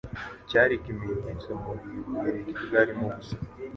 cyari kimenyetso mugihe Ubugereki bwarimo ubusa